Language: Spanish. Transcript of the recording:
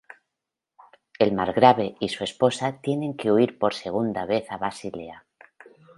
El margrave y su esposa tienen que huir por segunda vez a Basilea.